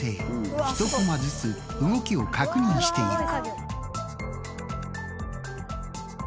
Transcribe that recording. １コマずつ動きを確認していく。